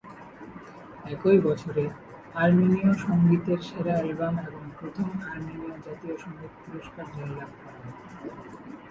একই বছরে, আর্মেনীয় সঙ্গীতের সেরা অ্যালবাম এবং প্রথম আর্মেনীয় জাতীয় সঙ্গীত পুরস্কার জয়লাভ করেন।